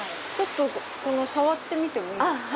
触ってみてもいいですか？